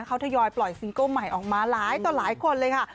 เขาทยอยปล่อยซิงเกิ้ลใหม่ออกมาหลายต่อหลายคนเลยค่ะ